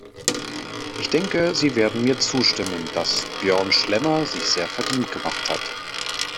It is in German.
Ich denke, Sie werden mir zustimmen, dass Björn Schlemmer sich sehr verdient gemacht hat.